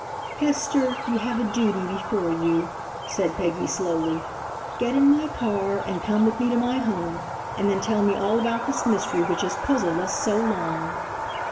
"Hester, you have a duty before you," said Peggy slowly; "get in my car and come with me to my home and then tell me all about this mystery which has puzzled us so long."